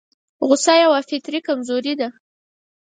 غوسه يوه فطري کمزوري ده.